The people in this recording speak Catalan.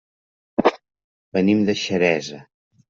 Venim de Xeresa.